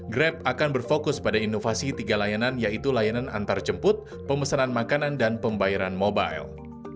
grab akan berfokus pada inovasi tiga layanan yaitu layanan antarjemput pemesanan makanan dan pembayaran mobile